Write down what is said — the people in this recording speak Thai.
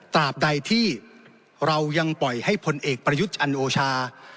บใดที่เรายังปล่อยให้พลเอกประยุทธ์จันโอชา